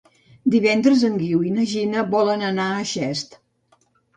Divendres en Guiu i na Gina volen anar a Xest.